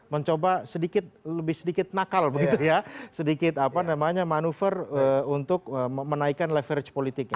mencoba sedikit lebih sedikit nakal begitu ya sedikit apa namanya manuver untuk menaikkan leverage politiknya